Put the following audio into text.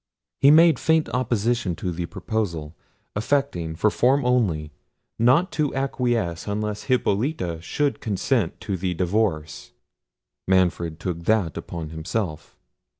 He made faint opposition to the proposal; affecting, for form only, not to acquiesce unless Hippolita should consent to the divorce. Manfred took that upon himself.